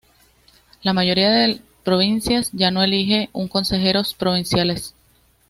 La mayoría de provincias ya no elige un consejeros provinciales.